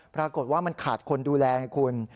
ปรากฏว่ามันขาดคนดูแลไงคุณ